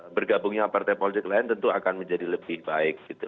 bergabung dengan partai politik lain tentu akan menjadi lebih baik